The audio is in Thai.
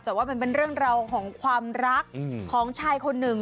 แต่ว่ามันเป็นเรื่องราวของความรักของชายคนหนึ่ง